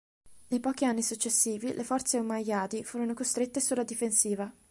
Nei pochi anni successivi le forze omayyadi furono costrette sulla difensiva.